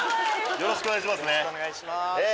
よろしくお願いします。